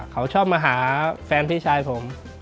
เขาชอบมาหาแฟนพี่ชายผม